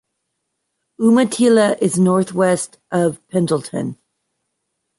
Umatilla is northwest of Pendleton.